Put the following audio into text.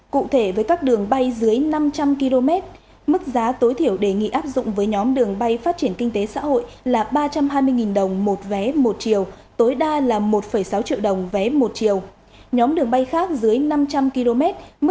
cụ thể với các đường bay dưới năm trăm linh km mức giá tối thiểu đề nghị áp dụng với nhóm đường bay phát triển kinh tế xã hội là ba trăm hai mươi đồng một vé một triệu tối đa là một sáu triệu đồng vé một triệu